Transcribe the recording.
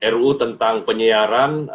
ruu tentang penyiaran